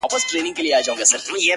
• بې خبره د سیلیو له څپېړو ,